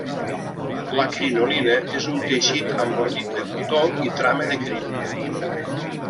La crinolina és un teixit amb ordit de cotó i trama de crin.